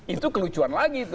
itu kelucuan lagi